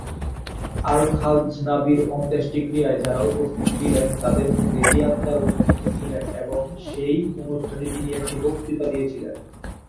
আল-খাজনাভির অন্ত্যেষ্টিক্রিয়ায় যারা উপস্থিত ছিলেন তাদের মধ্যে রিয়াদ দার উপস্থিত ছিলেন এবং সেই অনুষ্ঠানে তিনি একটি বক্তৃতা দিয়েছিলেন।